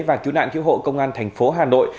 và cứu nạn cứu hộ công an thành phố hà nội